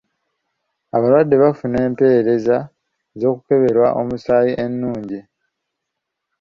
Abalwadde bafuna empereza z'okukeberebwa omusaayi ennungi.